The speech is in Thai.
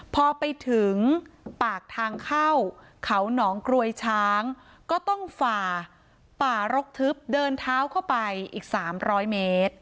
พอไปถึงปากทางเข้าเขาหนองกรวยช้างก็ต้องฝ่าป่ารกทึบเดินเท้าเข้าไปอีก๓๐๐เมตร